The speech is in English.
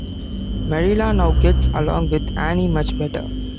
Marilla now gets along with Anne much better.